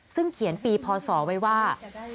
ซึ่งเขียนปีพศไว้ว่า